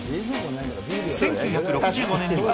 １９６５年には、